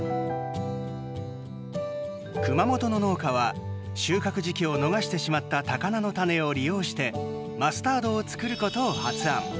熊本の農家は収穫時期を逃してしまった高菜の種を利用してマスタードを作ることを発案。